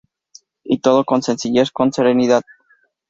Y todo con sencillez, con serenidad.